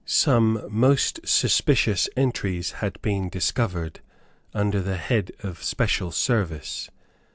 Some most suspicious entries had been discovered, under the head of special service.